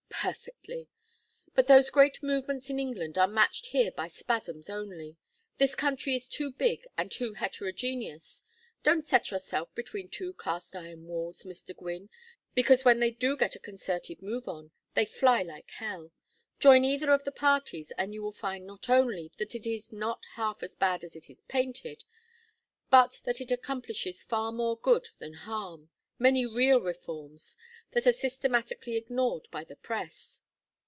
Perfectly. But those great movements in England are matched here by spasms only. This country is too big and too heterogeneous. Don't set yourself between two cast iron walls, Mr. Gwynne, because when they do get a concerted move on, they fly like hell. Join either of the parties, and you will find not only that it is not half as bad as it is painted, but that it accomplishes far more good than harm, many real reforms, that are systematically ignored by the press."